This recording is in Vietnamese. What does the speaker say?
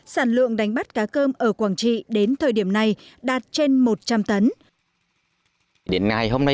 sản lượng đánh bắt cá cơm ở quảng trị đến thời điểm này đạt trên một trăm linh tấn